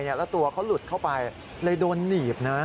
แล้วตัวเขาหลุดเข้าไปเลยโดนหนีบนะ